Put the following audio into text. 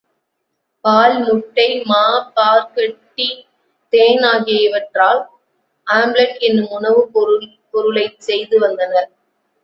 பால், முட்டை, மா, பாற்கட்டி, தேன் ஆகிய இவற்றால் ஆம்லட் என்னும் உணவுப் பொருளைச் செய்து வந்தனர்.